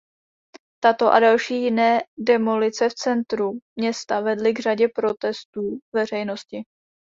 Tato a další jiné demolice v centru města vedly k řadě protestů veřejnosti.